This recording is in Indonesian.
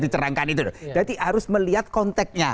jadi harus melihat konteknya